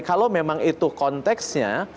kalau memang itu konteksnya